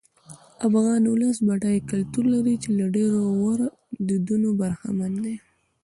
افغان ولس بډای کلتور لري چې له ډېرو غوره دودونو برخمن دی.